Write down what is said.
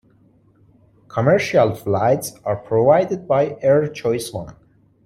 Commercial flights are provided by Air Choice One.